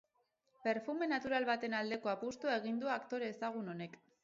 Perfume natural baten aldeko apustua egin du aktore ezagun honek.